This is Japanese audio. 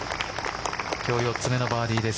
今日４つ目のバーディーです。